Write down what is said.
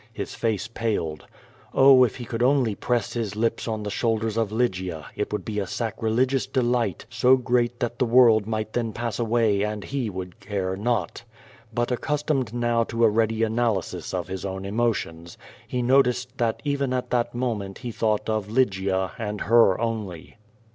His face paled. Oh, if he could only press his lips on the shoulders of Lygia, it would be a sacrilegious delight so great that the world might then pass away and he would care not. But accus tomed now to a ready analysis of his own emotions, he no ticed that even at that moment he thought of Lygia and her only.